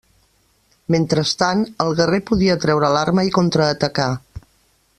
Mentrestant, el guerrer podia treure l'arma i contraatacar.